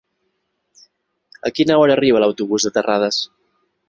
A quina hora arriba l'autobús de Terrades?